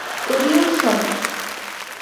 Кыр илшама?